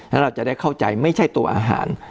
แล้วเราจะได้เข้าใจไม่ใช่ตัวอาหาร